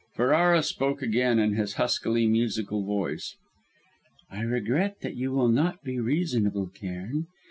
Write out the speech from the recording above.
Ferrara spoke again in his huskily musical voice. "I regret that you will not be reasonable, Cairn.